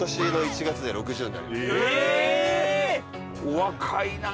お若いな！